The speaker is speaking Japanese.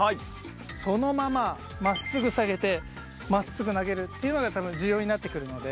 そのまま真っすぐ下げて真っすぐ投げるっていうのが多分重要になって来るので。